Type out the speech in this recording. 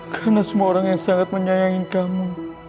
karena semua orang yang sangat menyayangi kamu